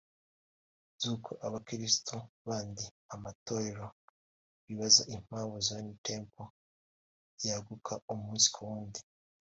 Iby’uko abakristo b’andi matorero bibaza impamvu Zion Temple yaguka umunsi ku wundi